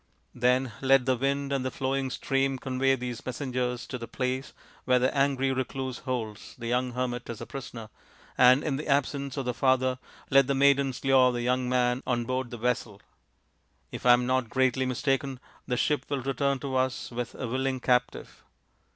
Then let the wind and the flowing stream convey these messengers to the place where the angry recluse holds the young hermit as a prisoner, and in the absence of the father let the maidens lure the young man on board the vessel. If I am not greatly mistaken, the ship will return to us with a willing captive.